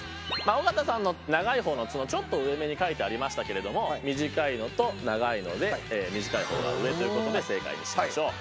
尾形さんの長い方の角ちょっと上めに描いてありましたけれども短いのと長いので短い方が上ということで正解にしましょう。